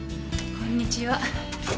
こんちは。